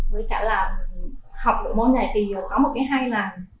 với cả là học độ môn này thì có một cái hay là các bạn có tư tác nhau nhiều